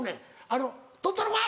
「あの取ったろか？」